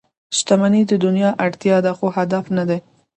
• شتمني د دنیا اړتیا ده، خو هدف نه دی.